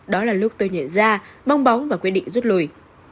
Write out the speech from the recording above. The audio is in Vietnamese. đó là lúc tôi nhẹ ra bong bóng và quyết định rút lùi